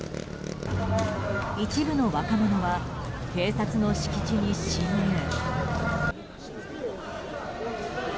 一部の若者は警察の敷地に侵入。